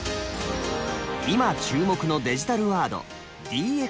今注目のデジタルワード「ＤＸ」。